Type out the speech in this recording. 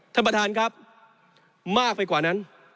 ท่านประธานครับมากไปกว่านั้น